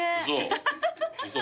嘘？